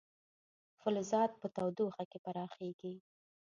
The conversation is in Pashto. فلزات په تودوخه کې پراخېږي.